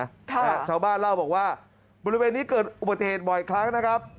ท่าอย่างเช้าบ้านเล่าบอกว่าบริเวณนี้เกิดอุบัติเหตุบ่อยคล้างครั้งนะครับ